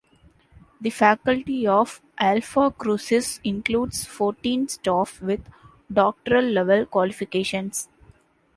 The faculty of Alphacrucis includes fourteen staff with doctoral level qualifications.